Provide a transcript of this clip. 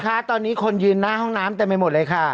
ค่ะตอนนี้คนยืนหน้าห้องน้ำเต็มไปหมดเลยค่ะ